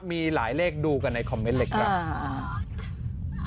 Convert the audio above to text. มีหลายเลขดูกันในคอมเมนต์เลยครับ